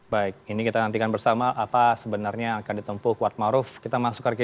baik ini kita nantikan bersama apa sebenarnya yang akan ditempuh kuat maruf kita masuk ke